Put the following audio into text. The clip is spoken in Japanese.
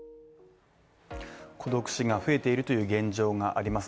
孤独死が増えているという現状があります